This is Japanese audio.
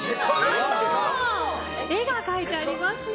絵が描いてありますね。